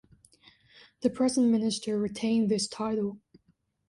The present minister retains this title.